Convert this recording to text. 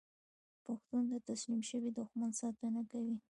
پښتون د تسلیم شوي دښمن ساتنه کوي.